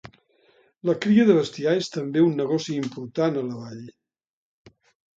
La cria de bestiar és també un negoci important a la vall.